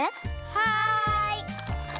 はい！